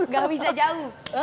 gak bisa jauh